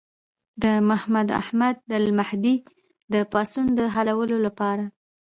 د محمد احمد المهدي د پاڅون د حلولو لپاره.